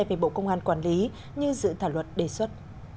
về bộ công an quản lý như dự thảo luật đề xuất